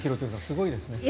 すごいですね。